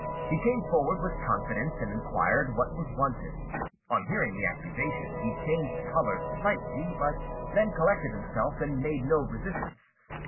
He came forward with confidence and inquired what was wanted. On hearing the accusation, he changed colour slightly, then collected himself, and made no resistance.